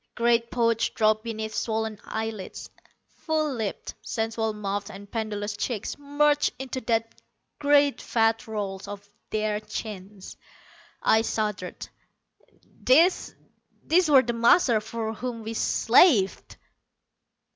Great pouches dropped beneath swollen eyelids. Full lipped, sensual mouths and pendulous cheeks merged into the great fat rolls of their chins. I shuddered. These, these were the masters for whom we slaved!